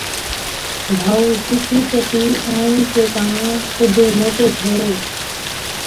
ڀائُو، سُوکڙِي چتِي آوَڻي چي ڪاڻ تُڌي موٽي ٿوري۔